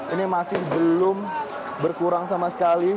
ini masih belum berkurang sama sekali